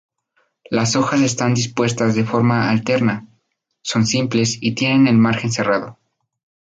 Las hojas están dispuestas de forma alterna, son simples, y tienen el margen serrado.